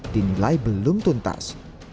dan nilai belum tuntas